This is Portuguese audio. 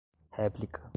réplica